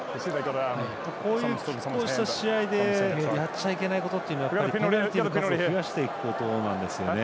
きっ抗した試合でやっちゃいけないことはペナルティの数を増やしていくことなんですね。